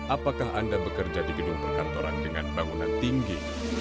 apakah anda bekerja di gedung perkantoran dengan bangunan tinggi